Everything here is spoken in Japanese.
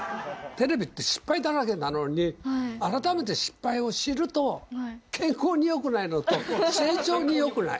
テレビって失敗だらけなのに、改めて失敗を知ると、健康によくないのと、成長によくない。